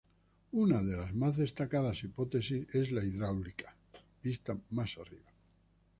Una de las más destacadas hipótesis es la hidráulica, vista más arriba.